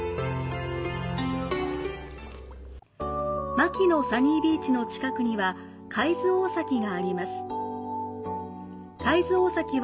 マキノサニービーチの近くには、海津大崎があります。